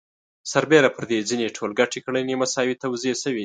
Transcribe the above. سربېره پر دې ځینې ټولګټې کړنې مساوي توزیع شوي دي